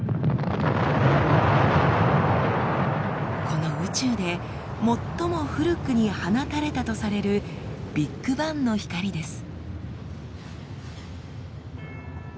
この宇宙で最も古くに放たれたとされるビッグバンの光です。